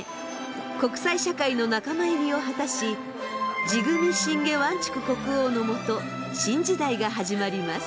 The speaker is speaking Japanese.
国際社会の仲間入りを果たしジグミ・シンゲ・ワンチュク国王のもと新時代が始まります。